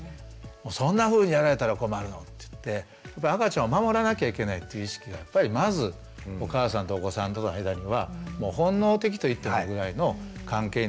「そんなふうにやられたら困るの！」って言って赤ちゃんを守らなきゃいけないという意識がやっぱりまずお母さんとお子さんとの間には本能的と言ってもいいぐらいの関係になるので。